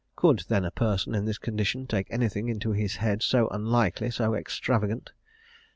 Could then a person in this condition take anything into his head so unlikely, so extravagant?